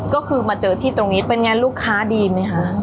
ก็คือมาเจอที่ตรงนี้เป็นไงลูกค้าดีไหมคะ